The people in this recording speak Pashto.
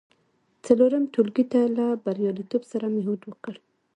څلورم ټولګي ته له بریالیتوب سره مې هوډ وکړ.